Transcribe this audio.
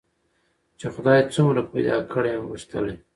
چي خدای څومره پیدا کړی یم غښتلی